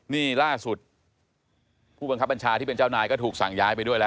นี่ล่าสุดผู้บังคับบัญชาที่เป็นเจ้านายก็ถูกสั่งย้ายไปด้วยแล้ว